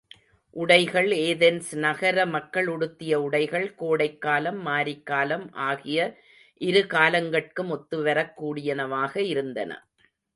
உடைகள் ஏதென்ஸ் நகர மக்கள் உடுத்திய உடைகள் கோடைக்காலம், மாரிக்காலம் ஆகிய இருகாலங்கட்கும் ஒத்துவரக் கூடியனவாக இருந்தன.